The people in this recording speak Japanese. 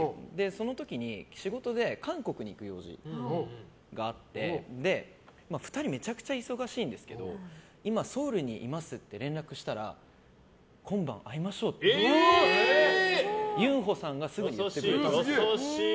その時に仕事で韓国に行く用事があって２人、めちゃくちゃ忙しいんですけど今、ソウルにいますって連絡したら今晩会いましょうってユンホさんがすぐに言ってくれて。